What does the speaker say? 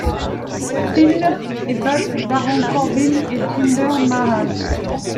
Styles et battent Baron Corbin & Jinder Mahal.